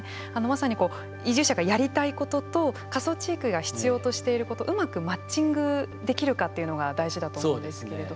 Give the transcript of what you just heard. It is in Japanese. まさに、移住者がやりたいことと過疎地域が必要としていることうまくマッチングできるかっていうのが大事だと思うんですけれど。